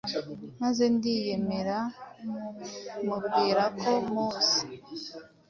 maze ndiyemera mubwira ko muzi